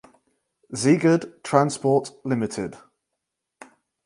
Szeged Transport Ltd.